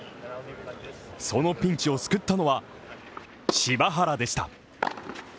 そのピンチを救ったのは、柴原でした。